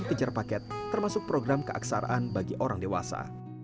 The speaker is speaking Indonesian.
kejar paket termasuk program keaksaraan bagi orang dewasa